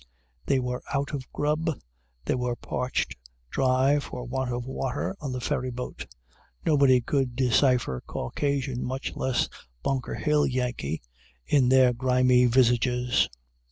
They were out of grub. They were parched dry for want of water on the ferry boat. Nobody could decipher Caucasian, much less Bunker Hill Yankee, in their grimy visages.